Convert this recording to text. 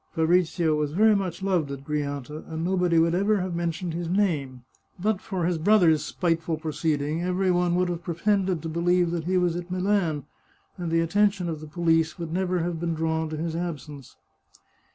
Fabrizio was very much loved at Grianta, and nobody would ever have men tioned his name. But for his brother's spiteful proceeding every one would have pretended to believe he was at Milan, and the attention of the police would never have been drawn to his absence.